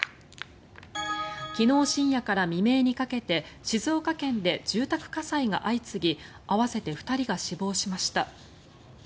昨日深夜から未明にかけて静岡県で住宅火災が相次ぎ合わせて２人が死亡しました。